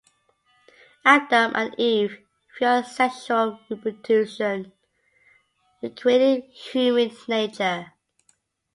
Adam and Eve, via sexual reproduction, recreated human nature.